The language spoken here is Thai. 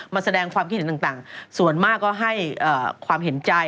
มาแสดงความคิดเห็นต่างส่วนมากก็ให้ความเห็นใจ